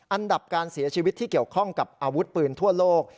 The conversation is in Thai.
อันดับการเสียชีวิตที่เกี่ยวข้องกับอาวุธปืนทั่วโลก